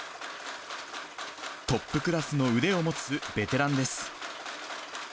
トップクラスの腕を持つベテランです。